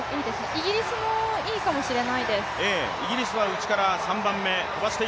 イギリスもいいかもしれないです。